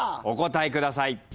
お答えください。